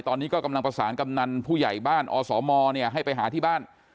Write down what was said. ตอนนี้ก็กำลังประสานกำนันผู้ใหญ่บ้านอสมให้ไปหาที่บ้าน